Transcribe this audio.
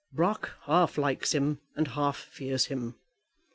Brock half likes him and half fears him.